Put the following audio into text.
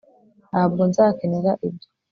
ntabwo nzakenera ibyo